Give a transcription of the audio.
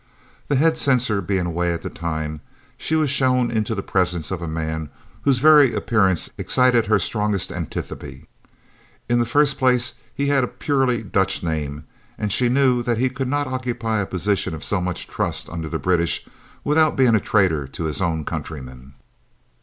The head censor being away at the time, she was shown into the presence of a man whose very appearance excited her strongest antipathy. In the first place he had a purely Dutch name, and she knew that he could not occupy a position of so much trust under the British without being a traitor to his own countrymen.